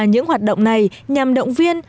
những hoạt động này nhằm động viên